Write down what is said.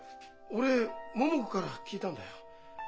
俺桃子から聞いたんだよ。